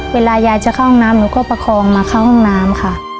เวลายายจะเข้าห้องน้ำหนูก็ประคองมาเข้าห้องน้ำค่ะ